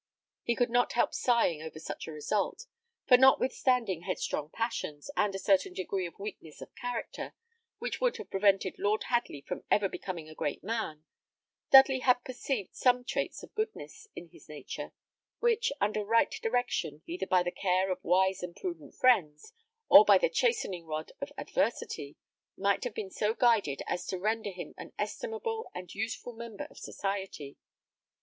He could not help sighing over such a result; for notwithstanding headstrong passions, and a certain degree of weakness of character, which would have prevented Lord Hadley from ever becoming a great man, Dudley had perceived some traits of goodness in his nature, which, under right direction, either by the care of wise and prudent friends, or by the chastening rod of adversity, might have been so guided as to render him an estimable and useful member of society.